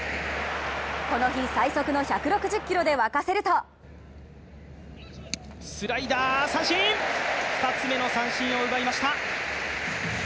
この日最速の１６０キロで沸かせるとスライダー、三振２つ目の三振を奪いました。